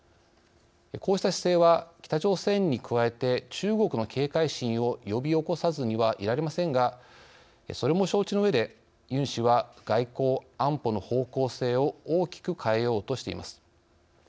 こうした姿勢は、北朝鮮に加えて中国の警戒心を呼び起こさずにはいられませんがそれも承知のうえでユン氏は、外交・安保の方向性を大きく変えようとしています。